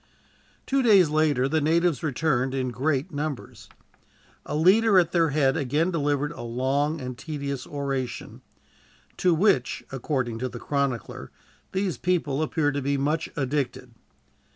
Two days later, the natives returned in great numbers. A leader at their head again delivered a long and tedious oration, "to which," according to the chronicler, "these people appear to be much addicted."